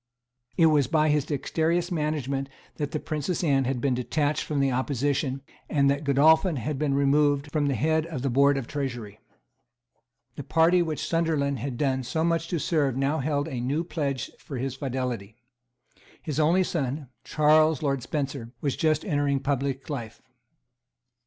It was by his dexterous management that the Princess Anne had been detached from the opposition, and that Godolphin had been removed from the head of the hoard of Treasury. The party which Sunderland had done so much to serve now held a new pledge for his fidelity. His only son, Charles Lord Spencer, was just entering on public life.